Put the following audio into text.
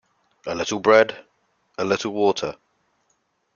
A little bread, a little water.